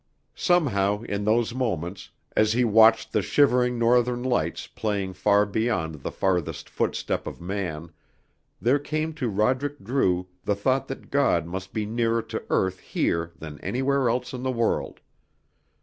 Somehow, in those moments, as he watched the shivering Northern Lights playing far beyond the farthest footstep of man, there came to Roderick Drew the thought that God must be nearer to earth here than anywhere else in the world.